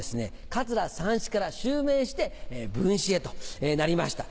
桂三枝から襲名して文枝へとなりました。